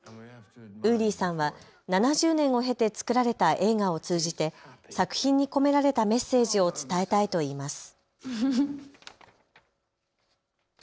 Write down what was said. ウーリーさんは７０年を経て作られた映画を通じて作品に込められたメッセージを伝えたいと言います。